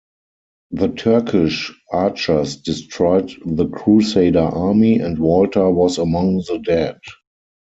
The Turkish archers destroyed the crusader army, and Walter was among the dead.